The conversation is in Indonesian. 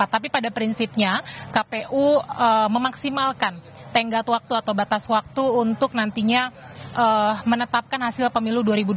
tapi pada prinsipnya kpu memaksimalkan tenggat waktu atau batas waktu untuk nantinya menetapkan hasil pemilu dua ribu dua puluh